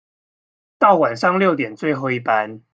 到晚上六點最後一班